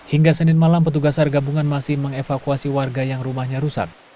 hingga senin malam petugas sargabungan masih mengevakuasi warga yang rumahnya rusak